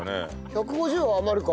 １５０は余るか。